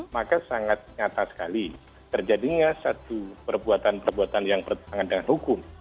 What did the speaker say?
maka sangat nyata sekali terjadinya satu perbuatan perbuatan yang bertentangan dengan hukum